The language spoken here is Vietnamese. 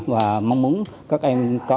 và mong muốn các em có